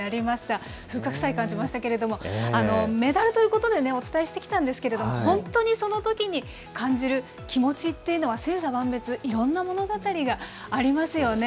風格さえ風格さえ感じましたけれども、メダルということでお伝えしてきたんですけど、本当にそのときに感じる気持ちっていうのは、千差万別、いろんな物語がありますよね。